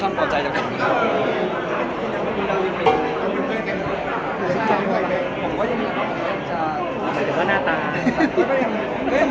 อยากมาร้อนอยากรอพี่ฟังนะครับ